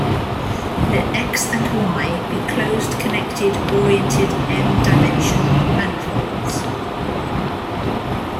Let "X" and "Y" be closed connected oriented "m"-dimensional manifolds.